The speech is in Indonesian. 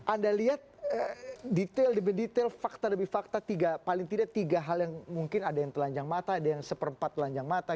anda lihat detail demi detail fakta demi fakta paling tidak tiga hal yang mungkin ada yang telanjang mata ada yang seperempat telanjang mata